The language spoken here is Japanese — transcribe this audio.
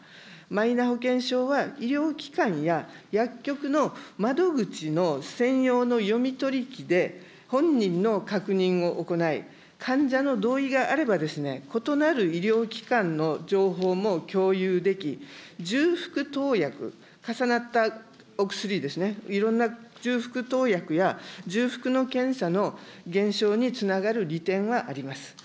マイナ保険証は、医療機関や薬局の窓口の専用の読み取り機で、本人の確認を行い、患者の同意があれば、異なる医療機関の情報も共有でき、重複投薬、重なったお薬ですね、いろんな重複投薬や、重複の検査の減少につながる利点はあります。